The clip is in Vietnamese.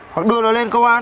hoặc đưa nó lên công an